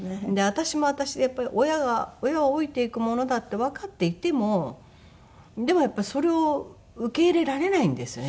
私も私でやっぱり親は老いていくものだってわかっていてもでもやっぱりそれを受け入れられないんですよね